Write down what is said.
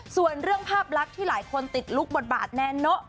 ส่วนเรื่องภาพลักษณ์ที่หลายคนติดลุคบทบาทแนนเนอะ